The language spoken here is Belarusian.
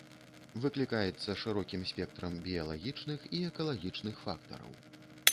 Выклікаецца шырокім спектрам біялагічных і экалагічных фактараў.